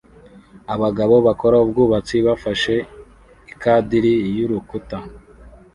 Abagabo bakora ubwubatsi bafashe ikadiri y'urukuta